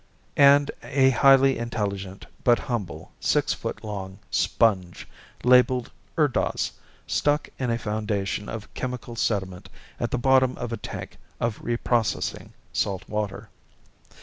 And a highly intelligent but humble six foot long sponge labeled Urdaz stuck in a foundation of chemical sediment at the bottom of a tank of reprocessing salt water.